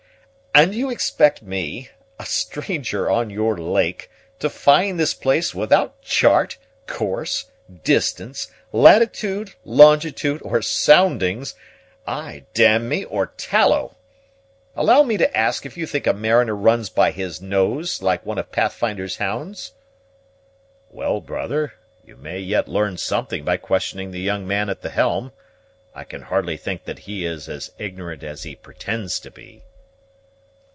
"And you expect me, a stranger on your lake, to find this place without chart, course, distance, latitude, longitude, or soundings, ay, d me, or tallow! Allow me to ask if you think a mariner runs by his nose, like one of Pathfinder's hounds?" "Well, brother, you may yet learn something by questioning the young man at the helm; I can hardly think that he is as ignorant as he pretends to be."